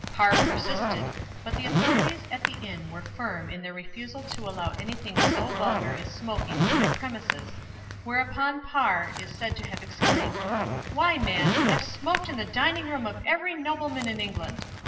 Parr persisted, but the authorities at the inn were firm in their refusal to allow anything so vulgar as smoking on their premises, whereupon Parr is said to have exclaimed: "Why, man, I've smoked in the dining room of every nobleman in England.